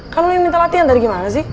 kan lo yang minta latihan tadi gimana sih